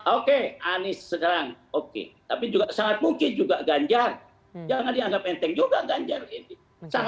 oke anies sekarang oke tapi juga sangat mungkin juga ganjar jangan dianggap enteng juga ganjar ini